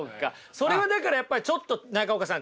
それはだからやっぱりちょっと中岡さん